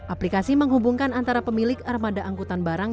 aplikasi menghubungkan antara pemilik armada angkutan barang